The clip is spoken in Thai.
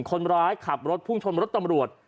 คนร้ายขับรถพุ่งชนรถตำรวจ